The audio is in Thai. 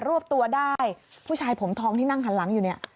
รวบตัวได้ผู้ชายผมทองที่นั่งหันหลังอยู่เนี่ย